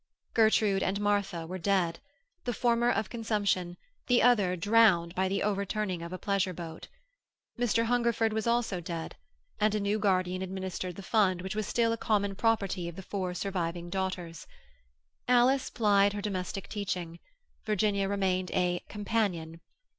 Gertrude and Martha were dead; the former of consumption, the other drowned by the overturning of a pleasure boat. Mr. Hungerford also was dead, and a new guardian administered the fund which was still a common property of the four surviving daughters. Alice plied her domestic teaching; Virginia remained a "companion."